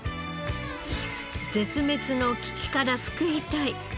絶滅の危機から救いたい。